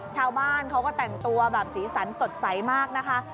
ชาวบ้านเขาก็แต่งตัวแบบสีสันสดใสมากนะคะ